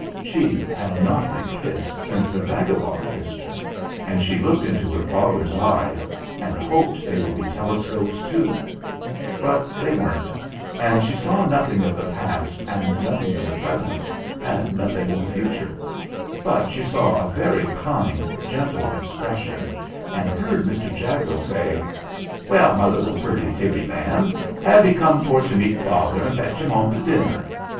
She had not been kissed since the Zagabog kissed her, and she looked into her father's eyes and hoped they would be telescopes too; but they weren't, and she saw nothing of the past and nothing of the present and nothing of the future ; but she saw a very kind, gentle expression, and heard Mr. Jago say : "Well, my little, purty, tibby lamb, have 'e come for to meet father and fetch him home to dinner?